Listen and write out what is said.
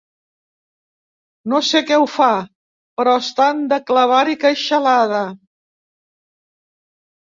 No sé què ho fa, però estan de clavar-hi queixalada.